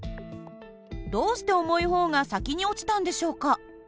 どうして重い方が先に落ちたんでしょうか？